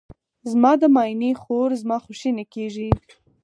زما د ماینې خور زما خوښینه کیږي.